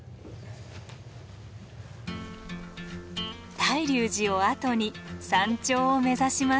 大龍寺を後に山頂を目指します。